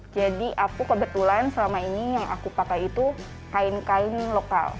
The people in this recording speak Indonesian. jadi aku kebetulan selama ini yang aku pakai itu kain kain lokal